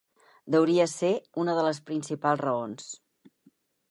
Deuria ésser una de les principals raons.